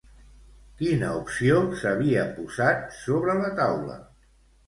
Quina opció s'havia posat sobre la taula?